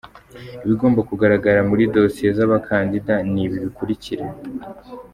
Ibigomba kugaragara muri dosiye z’abakandida ni ibi bikurikira:.